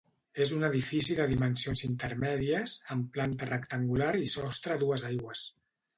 És un edifici de dimensions intermèdies, amb planta rectangular i sostre a dues aigües.